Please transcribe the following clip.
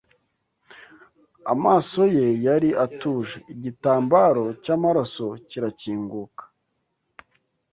Amaso ye yari atuje; igitambaro cyamaraso kirakinguka